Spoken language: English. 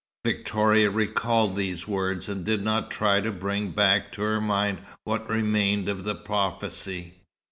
Victoria recalled these words, and did not try to bring back to her mind what remained of the prophecy.